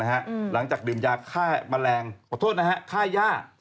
หลังจากดื่มยาฆ่าแมลงข้าย่า